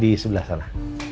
di sebelah sana